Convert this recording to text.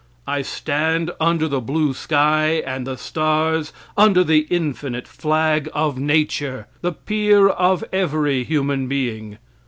I stand under the blue sky and the stars, under the infinite flag of nature, the peer of every human being.